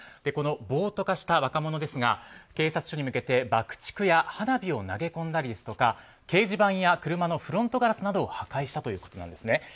この暴徒化した若者ですが警察署に向けて爆竹や花火を投げ込んだり掲示板や車のフロントガラスを破壊したということなんです。